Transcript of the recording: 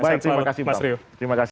baik terima kasih pak